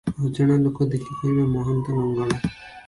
ଅଜଣା ଲୋକେ ଦେଖି କହିବେ, ମହନ୍ତ ଲଙ୍ଗଳା ।